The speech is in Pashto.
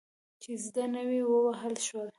چې زده نه وو، ووهل شول.